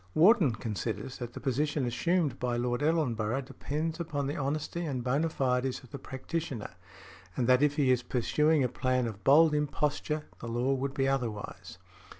Wharton considers that the position assumed by Lord Ellenborough depends upon the honesty and bona fides of the practitioner; and that if he is pursuing a plan of bold imposture the law would be otherwise .